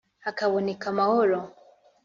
hakaboneka amahoro